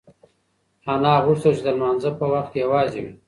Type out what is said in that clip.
انا غوښتل چې د لمانځه په وخت کې یوازې وي.